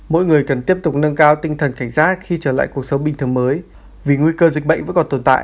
mỗi người cần tiếp tục nâng cao tinh thần cảnh giác khi trở lại cuộc sống bình thường mới vì nguy cơ dịch bệnh vẫn còn tồn tại